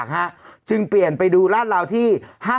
กินได้แล้วนะ